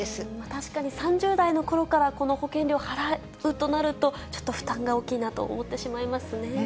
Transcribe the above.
確かに３０代のころからこの保険料払うとなると、ちょっと負担が大きいなと思ってしまいますね。